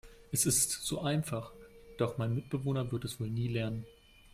Es ist so einfach, doch mein Mitbewohner wird es wohl nie lernen.